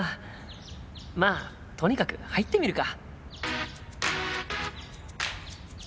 まあとにかく入ってみるか。